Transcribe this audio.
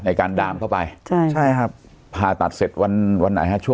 การดามเข้าไปใช่ใช่ครับผ่าตัดเสร็จวันวันไหนฮะช่วง